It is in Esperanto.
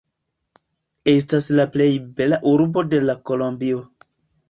Estas la plej bela urbo de la Kolombio.